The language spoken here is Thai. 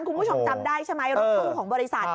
คุณผู้ชมจำได้ใช่ไหมรถตู้ของบริษัท